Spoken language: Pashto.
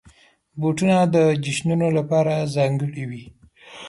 بوټونه د جشنونو لپاره ځانګړي وي.